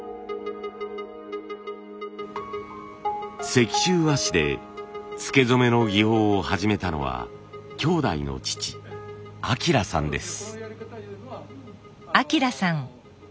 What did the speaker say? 石州和紙でつけ染めの技法を始めたのはきょうだいの父彰さんです。